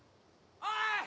・おい！